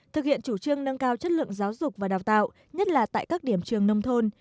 thực hiện chủ trương nâng cao chất lượng giáo dục và đào tạo nhất là tại các điểm trường nông thôn